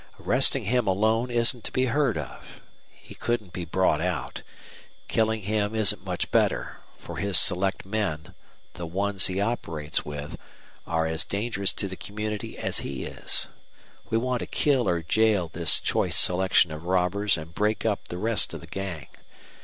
Arresting him alone isn't to be heard of. He couldn't be brought out. Killing him isn't much better, for his select men, the ones he operates with, are as dangerous to the community as he is. We want to kill or jail this choice selection of robbers and break up the rest of the gang.